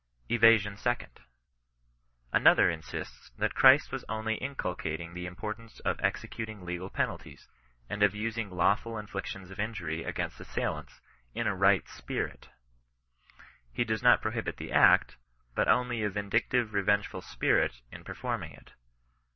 EVASION SECOND. Another insists that Christ was only inculcating the importance of executing legal penalties, and of using lawful inflictions of injury against assailants, in a right ^piriL " He does not prohibit the act, but only a vin oictive, revengeful spirit in performing it.